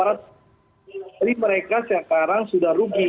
jadi mereka sekarang sudah rugi